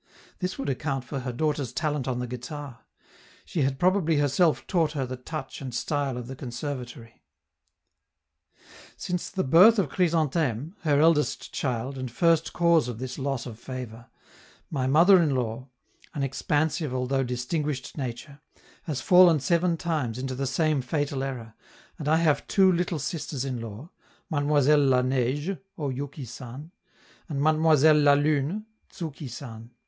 This would account for her daughter's talent on the guitar; she had probably herself taught her the touch and style of the Conservatory. Since the birth of Chrysantheme (her eldest child and first cause of this loss of favor), my mother in law, an expansive although distinguished nature, has fallen seven times into the same fatal error, and I have two little sisters in law: Mademoiselle La Neige, [Oyouki San] and Mademoiselle La Lune, [Tsouki San.